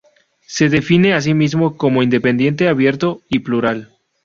Se define a sí mismo como independiente, abierto y plural.